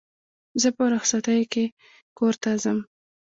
زه په رخصتیو کښي کور ته ځم.